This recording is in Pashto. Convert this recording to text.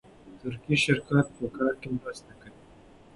ترکي شرکت په کار کې مرسته کوي.